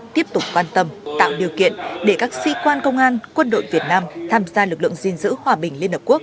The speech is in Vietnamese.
tiếp tục quan tâm tạo điều kiện để các sĩ quan công an quân đội việt nam tham gia lực lượng gìn giữ hòa bình liên hợp quốc